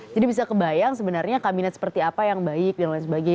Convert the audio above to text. jadi bisa kebayang sebenarnya kabinet seperti apa yang baik dan lain sebagainya